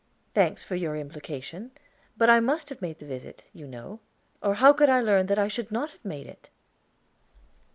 "Thanks for your implication. But I must have made the visit, you know, or how could I learn that I should not have made it?"